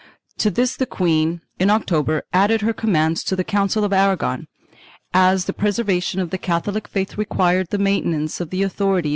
To this the queen, in October, added her commands to the Council of Aragon; as the preservation of the Catholic faith required the maintenance of the authority